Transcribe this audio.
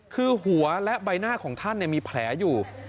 คือหัวและใบหน้าของท่านมีแผลอยู่